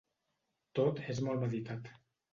Tot és molt meditat.